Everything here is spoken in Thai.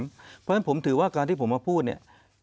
เพราะฉะนั้นผมถือว่าการที่ผมมาพูดเนี่ย